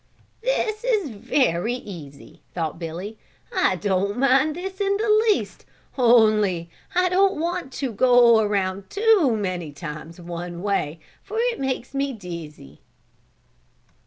"This is very easy," thought Billy, "I don't mind this in the least, only I don't want to go around too many times one way for it makes me dizzy."